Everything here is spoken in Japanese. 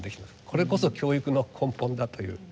これこそ教育の根本だという。